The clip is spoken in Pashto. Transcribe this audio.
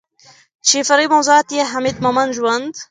چې فرعي موضوعات يې حميد مومند ژوند